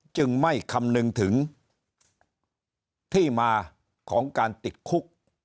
จึงไม่คำนึงถึงที่มาของการติดคุก